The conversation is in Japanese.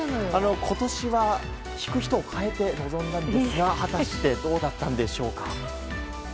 今年は引く人を変えて臨んだんですが果たしてどうだったんでしょうか？